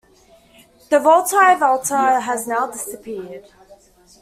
The votive altar has now disappeared.